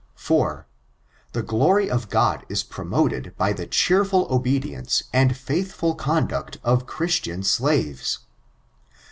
4. The glory of Crod is promoted by the cheerful obedi ence and feithful conduct of Christian slaies.